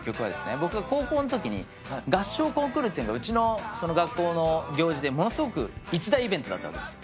僕が高校のときに合唱コンクールってのがうちの学校の行事でものすごく一大イベントだったわけです。